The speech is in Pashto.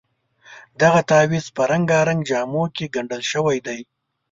دغه تعویض په رنګارنګ جامو کې ګنډل شوی دی.